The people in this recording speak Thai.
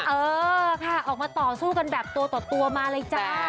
เออค่ะออกมาต่อสู้กันแบบตัวต่อตัวมาเลยจ้า